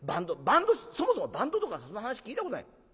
バンドそもそもバンドとかそんな話聞いたことない。